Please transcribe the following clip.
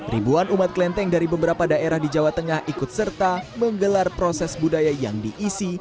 ribuan umat klenteng dari beberapa daerah di jawa tengah ikut serta menggelar proses budaya yang diisi